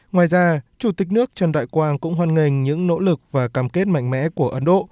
ngoài ra chủ tịch nước trần đại quang cũng hoan nghênh những nỗ lực và cam kết mạnh mẽ của ấn độ